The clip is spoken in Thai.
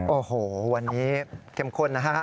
โอ้โหวันนี้เข้มข้นนะฮะ